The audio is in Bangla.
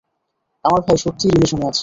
আমার ভাই সত্যিই রিলেশনে আছে!